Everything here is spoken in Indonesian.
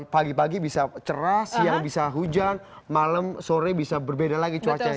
pagi pagi bisa cerah siang bisa hujan malam sore bisa berbeda lagi cuacanya